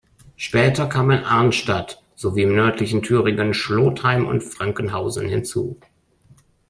Später kamen Arnstadt sowie im nördlichen Thüringen Schlotheim und Frankenhausen hinzu.